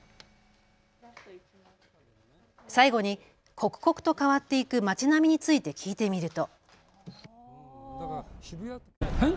最後に刻々と変わっていく町並みについて聞いてみると。